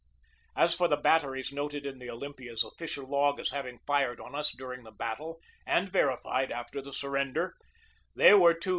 As for the batteries noted in the Olympiads offi cial log as having fired on us during the battle and verified after the surrender, they were two 6.